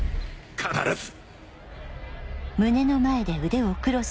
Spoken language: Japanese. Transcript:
必ず！